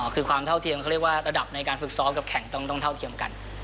คือความเท่าเทียมเขาเรียกว่าระดับในการฝึกซ้อมกับแข่งต้องเท่าเทียมกัน